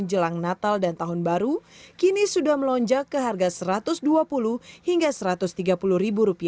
jelang natal dan tahun baru kini sudah melonjak ke harga rp satu ratus dua puluh rp seratus